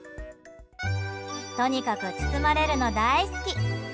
とにかく包まれるの大好き。